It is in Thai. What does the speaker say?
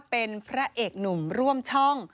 เป็นพระเอกหนุ่มร่วมช่อง